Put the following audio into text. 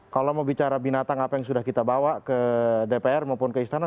kalau mau bicara binatang apa yang sudah kita bawa ke dpr maupun ke istana